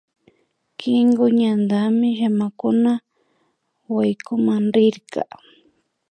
Kinku ñantami llamakuna waykunan rirka